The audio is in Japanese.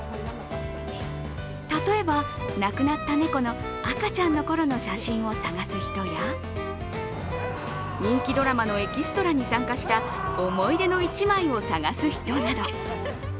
例えば、亡くなった猫の赤ちゃんの頃の写真を探す人や、人気ドラマのエキストラに参加した思い出の１枚を探す人など。